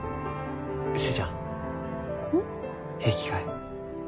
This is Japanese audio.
平気かえ？